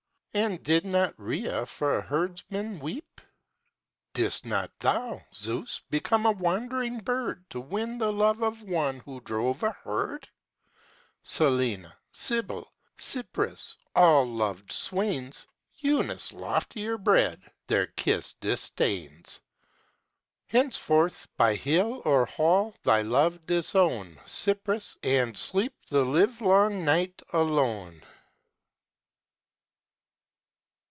And did not Rhea for a herdsman weep? Didst not thou, Zeus, become a wandering bird, To win the love of one who drove a herd? Selenè, Cybelè, Cypris, all loved swains: Eunicè, loftier bred, their kiss disdains. Henceforth, by hill or hall, thy love disown, Cypris, and sleep the livelong night alone.